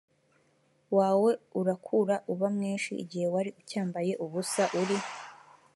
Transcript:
wawe urakura uba mwinshi igihe wari ucyambaye ubusa uri